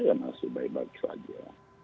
ya masih baik baik saja